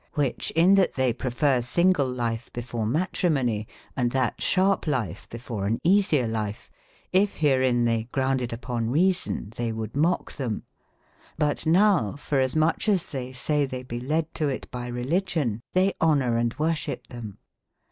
Cttbicb Sin tbat tbev pref erre single life be fore matrimony, and tbat sbarp life be fore an easier life, if berein tbey ground ed upon reason tbey would mock tbcm. But now f orasmucb as tbey say tbey be led to it by religion, tbey bonor and wor ship tbem.